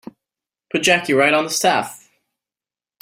Put Jackie right on the staff.